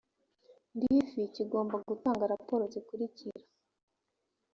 ndfi kigomba gutanga raporo zikurikira